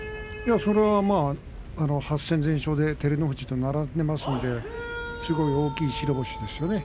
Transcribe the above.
それは８戦全勝で照ノ富士と並んでいますのですごく大きい白星ですよね